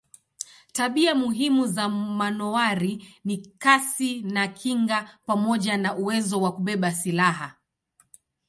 Tabia muhimu za manowari ni kasi na kinga pamoja na uwezo wa kubeba silaha.